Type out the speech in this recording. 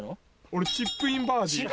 俺チップインバーディー。